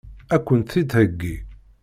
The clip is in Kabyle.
Ad kent-t-id-theggi?